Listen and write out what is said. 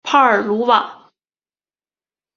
帕尔鲁瓦。